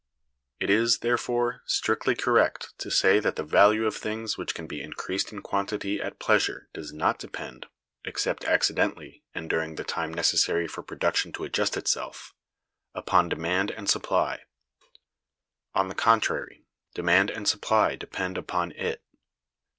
It is, therefore, strictly correct to say that the value of things which can be increased in quantity at pleasure does not depend (except accidentally, and during the time necessary for production to adjust itself) upon demand and supply; on the contrary, demand and supply depend upon it.